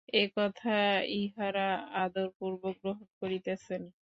এ কথা ইঁহারা আদরপূর্বক গ্রহণ করিতেছেন।